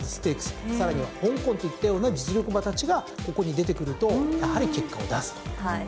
さらには香港といったような実力馬たちがここに出てくるとやはり結果を出すと。